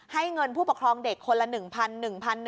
ให้เงินผู้ปกครองเด็กคนละ๑๐๐๐บาท